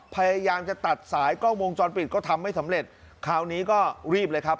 พยายามจะตัดสายกล้องวงจรปิดก็ทำไม่สำเร็จคราวนี้ก็รีบเลยครับ